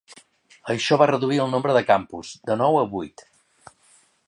Això va reduir el nombre de campus, de nou a vuit.